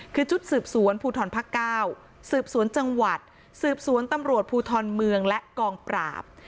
คือชุดสืบสวนภูทรภาค๙สืบสวนจังหวัดสืบสวนตำรวจภูทรเมืองและกองปราบ